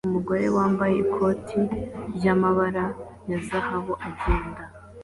Umugore wambaye ikoti ryamabara ya zahabu agenda